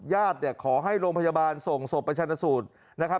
ญาติขอให้โรงพยาบาลส่งศพประชานสูตร